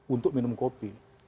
untuk minum kopi